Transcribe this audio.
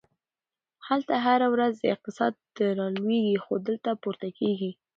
هلته هره ورځ اقتصاد رالویږي، خو دلته پورته کیږي!